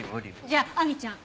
じゃあ亜美ちゃん。